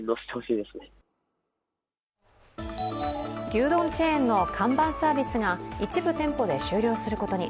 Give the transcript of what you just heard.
牛丼チェーンの看板サービスが一部店舗で終了することに。